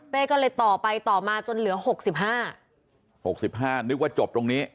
ก็เลยต่อไปต่อมาจนเหลือหกสิบห้าหกสิบห้านึกว่าจบตรงนี้